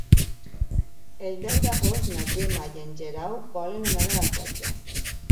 El deu d'agost na Gemma i en Guerau volen anar a la platja.